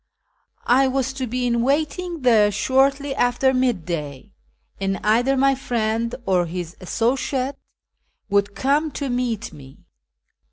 I was to be in M aiting there shortly after midday, and either my friend or his associate would come to meet me.